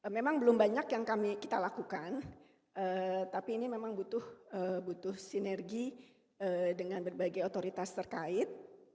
memang belum banyak yang kita lakukan tapi ini memang butuh sinergi dengan berbagai otoritas terkait